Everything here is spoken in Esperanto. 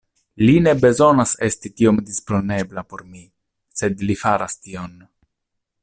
Li ne bezonas esti tiom disponebla por mi, sed li faras tion.